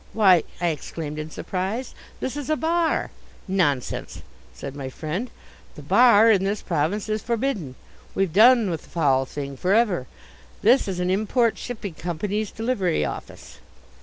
"Why," I exclaimed in surprise, "this is a bar!" "Nonsense!" said my friend. "The bar in this province is forbidden. We've done with the foul thing for ever. This is an Import Shipping Company's Delivery Office."